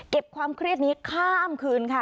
ความเครียดนี้ข้ามคืนค่ะ